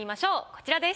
こちらです。